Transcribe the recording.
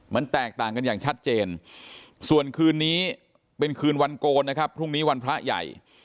มันแตกต่างกันอย่างชัดเจนส่วนคืนนี้เป็นคืนวันโกนนะครับพรุ่งนี้วันพระใหญ่